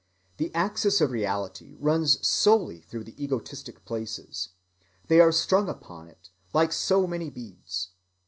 The axis of reality runs solely through the egotistic places,—they are strung upon it like so many beads.